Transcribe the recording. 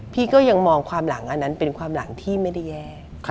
พี่ก็ยังมองความหลังอันนั้นเป็นความหลังที่ไม่ได้แย่